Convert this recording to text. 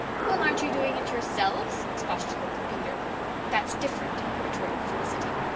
"Well, aren't you doing it yourselves?" expostulated Peter. "That's different," retorted Felicity.